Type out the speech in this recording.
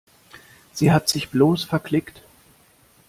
Sie hat sich bloß verklickt.